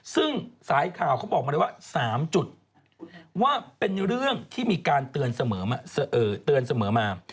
ซึ่งสายข่าวเขาบอกมาเลยว่า๓จุดว่าเป็นเรื่องที่มีการเตือนเสมอมา